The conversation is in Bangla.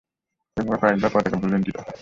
এভাবে কয়েকবার পতাকা ভূলুণ্ঠিত হয়।